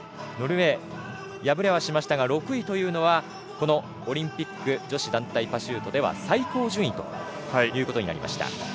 ノルウェー、敗れはしましたが６位というのはこのオリンピック女子団体パシュートでは最高順位ということになりました。